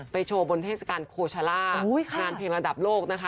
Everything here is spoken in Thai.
ไปโชว์บริเวอร์เทศกาลโครชลาวงานเพลงระดับโลกนะคะ